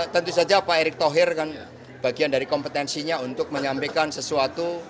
tentu saja pak erick thohir kan bagian dari kompetensinya untuk menyampaikan sesuatu